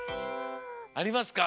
ありますか？